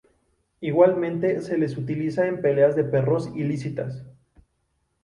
Igualmente se les utiliza en peleas de perros ilícitas.